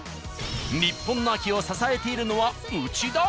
日本の秋を支えているのはうちだ！